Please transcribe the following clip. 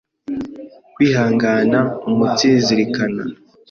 kwihangana, umunsizirikana,